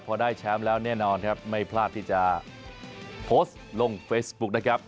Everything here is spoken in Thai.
พอได้แชมป์แล้วแน่นอนครับไม่พลาดที่จะโพสต์ลงเฟซบุ๊คนะครับ